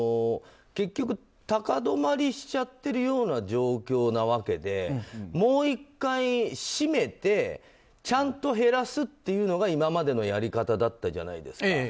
結局、高止まりしちゃってるような状況なわけでもう１回締めてちゃんと減らすというのが今までのやり方だったじゃないですか。